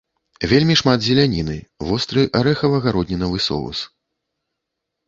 Вельмі шмат зеляніны, востры арэхава-гароднінавы соус.